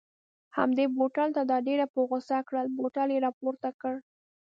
همدې بوتل دا ډېره په غوسه کړل، بوتل یې را پورته کړ.